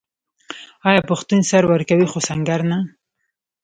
آیا پښتون سر ورکوي خو سنګر نه؟